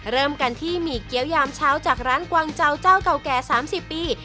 เริ่มกันที่หมี่เกี้ยวยามเช้าจากร้านกวางเจ้าเจ้าเก่าแก่๓๐ปี